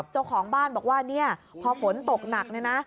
เจ้าของบ้านบอกว่าเนี่ยพอฝนตกหนักเนี่ยนะ